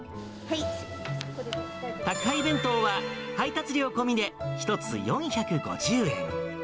宅配弁当は、配達料込みで１つ４５０円。